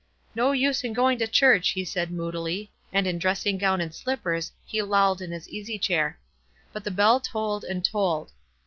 "No use in going to church," he said, moodily ; and in dressing gown and slippers he lolled in his easy chair ; but the bell tolled and tolled.